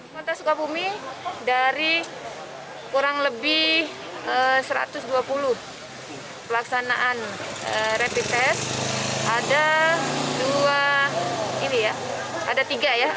kota sukabumi dari kurang lebih satu ratus dua puluh pelaksanaan rapid test